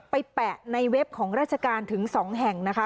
แปะในเว็บของราชการถึง๒แห่งนะคะ